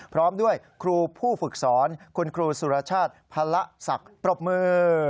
พร้อมด้วยครูผู้ฝึกสอนคุณครูสุรชาติพระละศักดิ์ปรบมือ